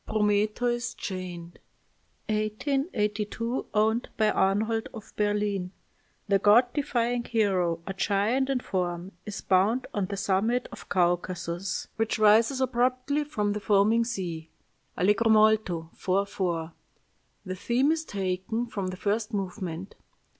PROMETHEUS CHAINED (1882; owned by Arnhold of Berlin) "The god defying hero, a giant in form, is bound on the summit of Caucasus, which rises abruptly from the foaming sea. Allegro molto, 4 4. The theme is taken from the first movement....